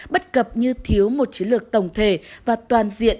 bất cập như thiếu một chiến lược tổng thể và toàn diện